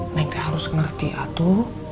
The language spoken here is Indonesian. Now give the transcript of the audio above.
neng teh harus ngerti atu